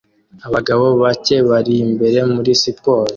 Abagabo bake bari imbere muri siporo